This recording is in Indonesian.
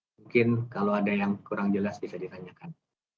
mungkin kalau ada yang kurang jelas bisa ditanyakan